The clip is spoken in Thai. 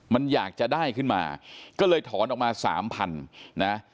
มันอยากจะได้ขึ้นมาก็เลยถอนออกมาสามพันนะ